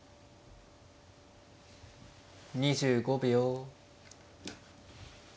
２５秒。